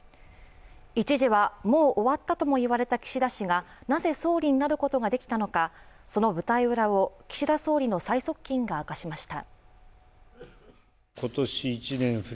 一時はもう終わったとも言われた岸田氏が、なぜ総理になることができたのか、その舞台裏を岸田総理の最側近が明かしました。